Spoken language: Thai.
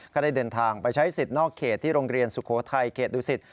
ก็ได้เดินทางไปใช้สิทธิ์นอกเขตที่โรงเรียนสุโขทัยเขตดุสิต